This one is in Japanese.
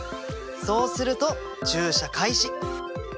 そうすると駐車開始。